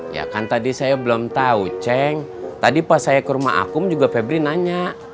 ya kan tadi saya belum tahu ceng tadi pas saya ke rumah akung juga febri nanya